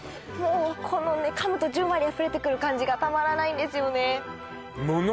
もうこの噛むとじゅんわり溢れてくる感じがたまらないんですよね